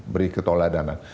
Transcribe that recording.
beri ketolah dana